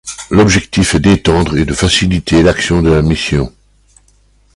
L'objectif est d'étendre et de faciliter l'action de la mission.